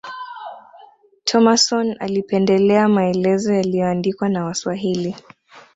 Thomason alipendelea maelezo yaliyoandikwa na waswahili